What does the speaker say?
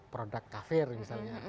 produk kafir misalnya